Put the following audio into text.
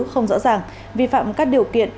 không rõ ràng vi phạm các điều kiện